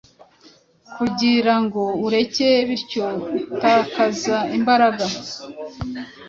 kugirango areke bityo atakaza imbaraga